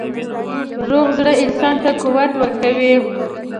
روغ زړه انسان ته قوت ورکوي.